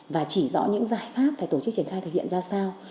và chỉ rõ những giải pháp phải tổ chức triển khai thực hiện ra sao